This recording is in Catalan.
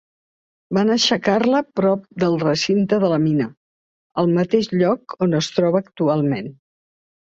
Van aixecar-la prop del recinte de la mina, al mateix lloc on es troba actualment.